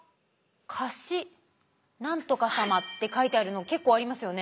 「かし何とか様」って書いてあるの結構ありますよね。